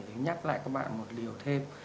thì nhắc lại các bạn một điều thêm